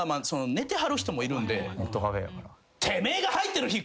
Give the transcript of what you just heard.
寝てはる人もいるんで。